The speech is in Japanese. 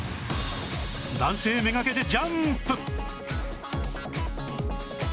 男性目がけてジャンプ！